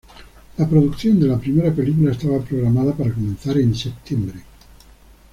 La producción de la primera película estaba programada para comenzar en septiembre.